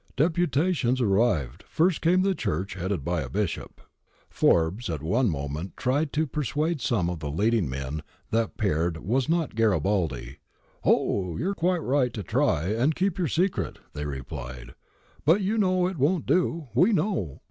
Deputations arrived ; first came the Church, headed by a Bishop.' Forbes at one moment tried to persuade some of the leading men that Peard was not Garibaldi. 'Oh! you're quite right to try and keep your secret,' they replied, ' but you know it won't do; we know.'